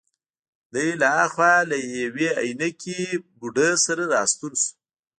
دی له هاخوا له یوې عینکې بوډۍ سره راستون شو.